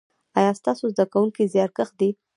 ایا ستاسو زده کونکي زیارکښ دي؟